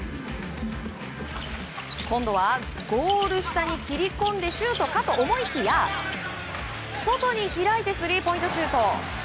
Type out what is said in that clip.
今度はゴール下に切り込んでシュートかと思いきや外に開いてスリーポイントシュート。